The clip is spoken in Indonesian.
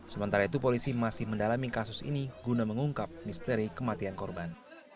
sementara itu polisi masih mendalami kasus ini guna mengungkap misteri kematian korban